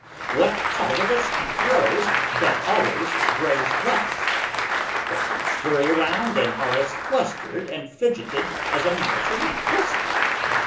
What part of us grows but always grows less? But you scurry around and are as flustered and fidgeted as a mouse in a piss pot.